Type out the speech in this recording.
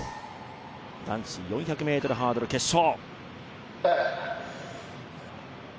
男子４００ｍハードル決勝。